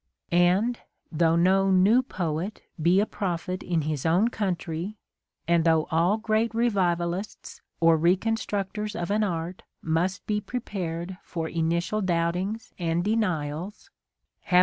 And — though no new poet be a prophet in his own country, and though all great revivalists or reconstructors of an art must be prepared for initial doubtings and denials — have not RHODOPE.